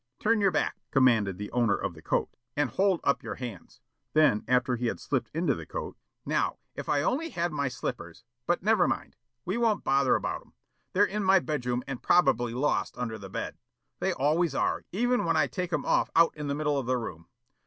"Turn your back," commanded the owner of the coat, "and hold up your hands." Then, after he had slipped into the coat: "Now if I only had my slippers but never mind. We won't bother about 'em. They're in my bed room, and probably lost under the bed. They always are, even when I take 'em off out in the middle of the room.